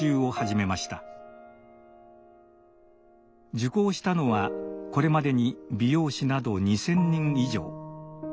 受講したのはこれまでに美容師など２，０００人以上。